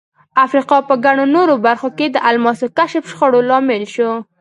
د افریقا په ګڼو نورو برخو کې د الماسو کشف شخړو لامل شو.